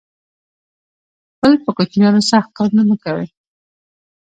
خپل په کوچینیانو سخت کارونه مه کوی